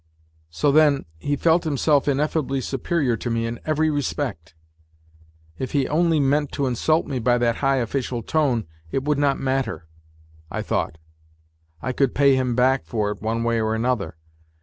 So, then, he felt himself ineffably superior to me in every respect ! If he only meant to insult me by that high official tone, it would not matter, I thought I could pay him back for it one way or another.